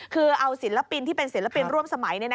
คือเอาศิลปินที่เป็นศิลปินร่วมสมัย